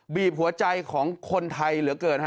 บีบหัวใจของคนไทยเหลือเกิน